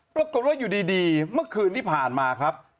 ปรากฏว่าอยู่ดีเมื่อคืนที่ผ่านมาครับ